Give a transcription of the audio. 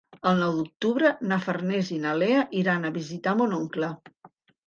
El nou d'octubre na Farners i na Lea iran a visitar mon oncle.